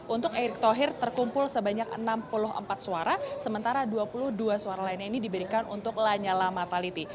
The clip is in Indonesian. untuk erick thohir terkumpul sebanyak enam puluh empat suara sementara dua puluh dua suara lainnya ini diberikan untuk lanyala mataliti